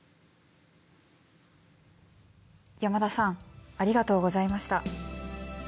山田さんありがとうございました。